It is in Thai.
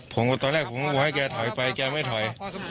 ตอนแรกผมก็บอกให้แกถอยไปแกไม่ถอย